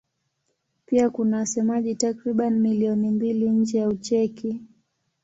Pia kuna wasemaji takriban milioni mbili nje ya Ucheki.